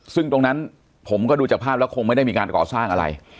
ซึ่งตรงนั้นผมก็ดูจากภาพแล้วคงไม่ได้มีการก่อสร้างอะไร